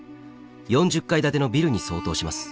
４０階建てのビルに相当します。